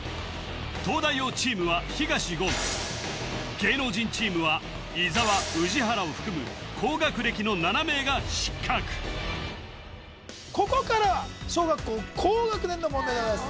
東大王チームは東言芸能人チームは伊沢宇治原を含む高学歴の７名が失格ここからは小学校高学年の問題でございます